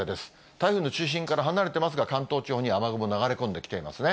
台風の中心から離れてますが、関東地方に雨雲流れ込んできていますね。